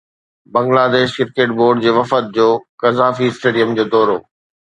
Bangladesh cricket board جي وفد جو قذافي اسٽيڊيم جو دورو